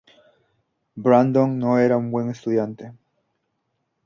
Brandon no era un buen estudiante.